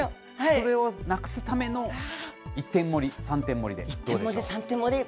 それをなくすための１点盛り、１点盛り、３点盛り。